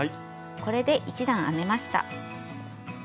これで１段編めました。